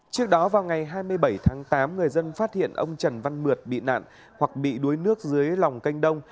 trước đó vào ngày hai mươi bảy tháng tám người dân phát hiện ông trần văn mượt bị nạn hoặc bị đuối nước dưới lòng canh đông